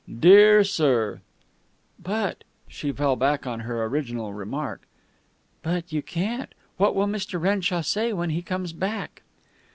'Dear Sir' " "But " she fell back on her original remark "but you can't. What will Mr. Renshaw say when he comes back?"